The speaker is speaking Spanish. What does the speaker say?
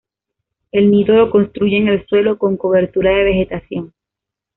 El nido lo construye en el suelo, con cobertura de vegetación.